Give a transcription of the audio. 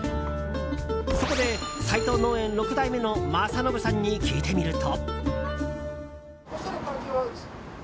そこで齊藤農園６代目の将暢さんに聞いてみると。